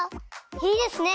いいですね。